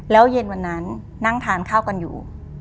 แล้วเย็นวันนั้นนั่งทานข้าวกันอยู่